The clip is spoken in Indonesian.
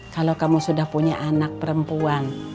kalau kamu sudah punya anak perempuan